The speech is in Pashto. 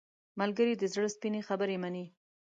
ملګری د زړه سپینې خبرې مني